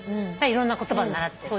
いろんな言葉習って。